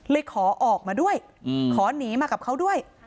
ขอออกมาด้วยขอหนีมากับเขาด้วย